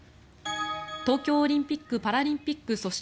東京オリンピック・パラリンピック組織